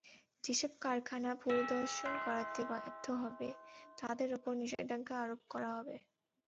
যেসব কারখানা পরিদর্শন করাতে ব্যর্থ হবে, তাদের ওপর নিষেধাজ্ঞা আরোপ করা হবে।